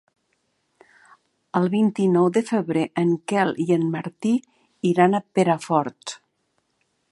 El vint-i-nou de febrer en Quel i en Martí iran a Perafort.